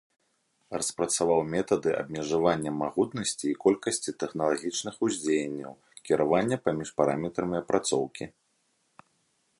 Распрацаваў метады абмежавання магутнасці і колькасці тэхналагічных уздзеянняў, кіравання паміж параметрамі апрацоўкі.